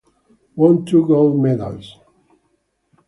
Won two gold medals.